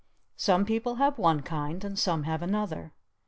Some people have one kind and some have another.